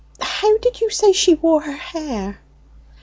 How did you say she wore her hair?"